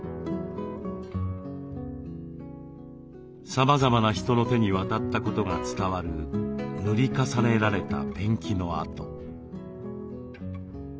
さまざまな人の手に渡ったことが伝わる塗り重ねられたペンキの跡。